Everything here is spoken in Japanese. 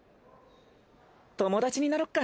友達になろっか！